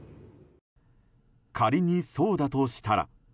仮に、そうだとしたら。